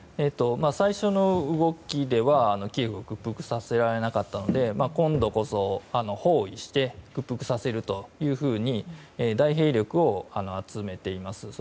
最初の動きではキエフを屈服させられなかったので今度こそ包囲して屈服させるというふうに大兵力を集めています。